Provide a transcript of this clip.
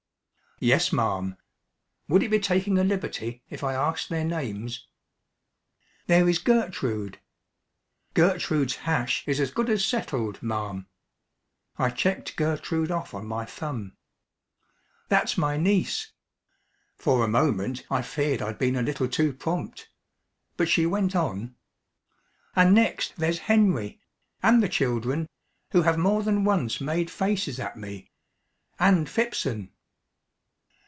"Yes, ma'am. Would it be taking a liberty if I asked their names?" "There is Gertrude " "Gertrude's hash is as good as settled, ma'am." I checked Gertrude off on my thumb. " that's my niece." For a moment I feared I'd been a little too prompt. But she went on "And next there's Henry; and the children who have more than once made faces at me; and Phipson."